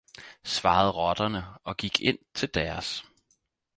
svarede rotterne og gik ind til deres.